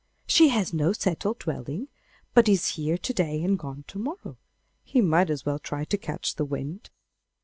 'She has no settled dwelling, but is here to day and gone to morrow. He might as well try to catch the wind.